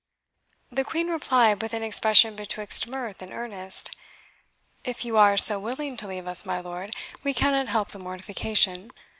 The Queen replied, with an expression betwixt mirth and earnest, "If you are so willing to leave us, my lord, we cannot help the mortification.